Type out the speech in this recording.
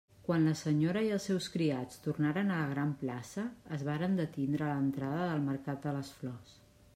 Quan la senyora i els seus criats tornaren a la gran plaça, es varen detindre a l'entrada del mercat de les flors.